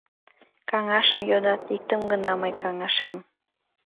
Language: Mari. Каҥашым йодат, иктым гына мый каҥашем...